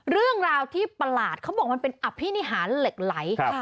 เรื่องราวที่ประหลาดเขาบอกมันเป็นอภินิหารเหล็กไหล